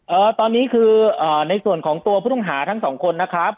ตอนนี้คืออ่าในส่วนของตัวผู้ต้องหาทั้งสองคนนะครับ